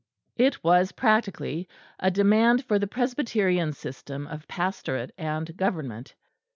It was practically a demand for the Presbyterian system of pastorate and government.